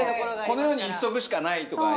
この世に１足しかないとか。